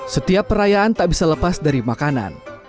setiap perayaan tak bisa lepas dari makanan